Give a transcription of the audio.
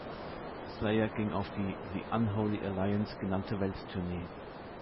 Slayer gingen auf die "The Unholy Alliance" genannte Welttournee.